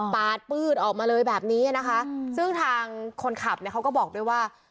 ปาดปื๊ดออกมาเลยแบบนี้นะคะซึ่งทางคนขับเนี่ยเขาก็บอกด้วยว่า